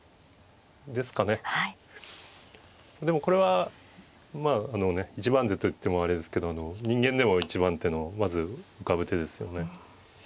でもこれはまああのね１番手と言ってもあれですけど人間でも１番手のまず浮かぶ手ですよね。